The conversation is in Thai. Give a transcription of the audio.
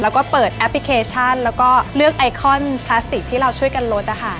แล้วก็เปิดแอปพลิเคชันแล้วก็เลือกไอคอนพลาสติกที่เราช่วยกันลดนะคะ